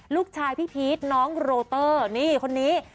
ลูกชายพี่พีชน้องโรเตอร์คนนี้